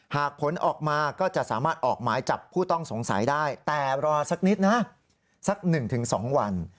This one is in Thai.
หากผลออกมาก็จะสามารถออกหมายจับผู้ต้องสงสัยได้แต่รอสักนิดนะสัก๑๒วัน